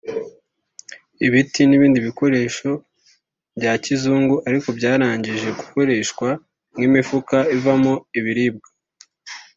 ibiti n’ibindi bikoresho bya kizungu ariko byarangije gukoreshwa nk’imifuka ivamo ibiribwa